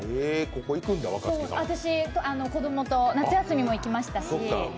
私、子供と夏休みも行きましたし。